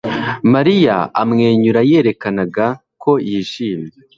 Mariya amwenyura yerekanaga ko yishimye